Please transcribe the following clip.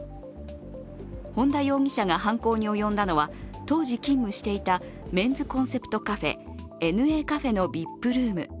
本田容疑者が犯行に及んだのは、当時勤務していたメンズコンセプトカフェＮＡカフェのＶＩＰルーム。